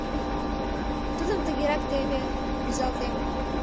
— Тудым тыгерак теве рӱзалтем.